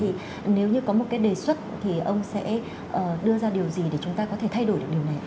thì nếu như có một cái đề xuất thì ông sẽ đưa ra điều gì để chúng ta có thể thay đổi được điều này